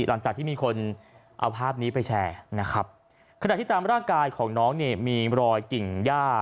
หลังจากที่มีคนเอาภาพนี้ไปแชร์นะครับขณะที่ตามร่างกายของน้องเนี่ยมีรอยกิ่งย่า